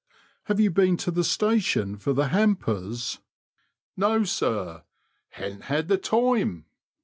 " Have you been to the station for the hampers ?"No, sir ; haven't had the time."